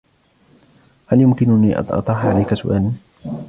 هل يمكنني أن أطرح عليك سؤالا؟